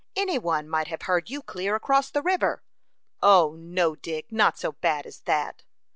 "Any one might have heard you clear across the river." "O, no, Dick; not so bad as that."